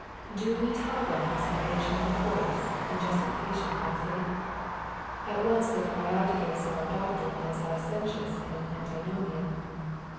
Do we tell them of salvation by grace, and justification by faith ? At once they cry out against our doctrine as licentious and antinomiam.